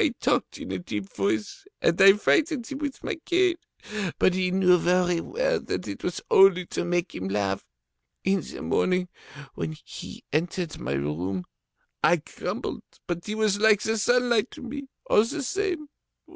I talked in a deep voice, and I frightened him with my cane, but he knew very well that it was only to make him laugh. In the morning, when he entered my room, I grumbled, but he was like the sunlight to me, all the same.